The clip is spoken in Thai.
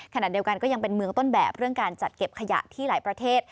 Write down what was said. ขณะเดียวกันก็ยังเป็นเมืองต้นแบบเรื่องการจัดเก็บขยะที่หลายประเทศ